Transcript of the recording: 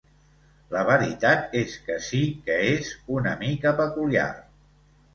La veritat és que sí que és una mica peculiar.